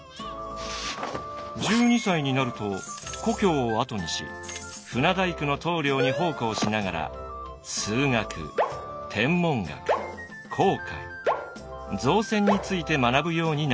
１２歳になると故郷を後にし船大工の棟梁に奉公しながら数学天文学航海造船について学ぶようになります。